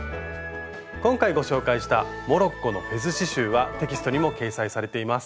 今回ご紹介したモロッコのフェズ刺しゅうはテキストにも掲載されています。